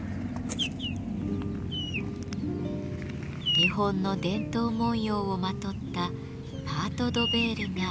日本の伝統文様をまとったパート・ド・ヴェールが完成しました。